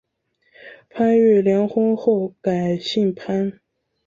潘玉良婚后改姓潘。